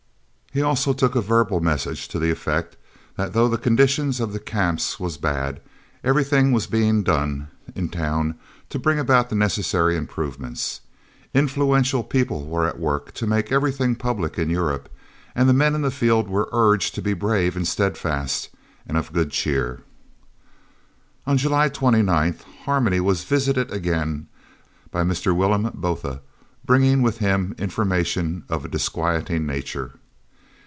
He also took a verbal message to the effect that though the condition of the Camps was bad, everything was being done in town to bring about the necessary improvements. Influential people were at work to make everything public in Europe, and the men in the field were urged to be brave and steadfast and of good cheer. On July 29th Harmony was visited again by Mr. Willem Botha, bringing with him information of a disquieting nature.